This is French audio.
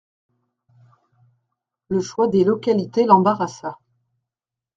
Le choix des localités l'embarrassa.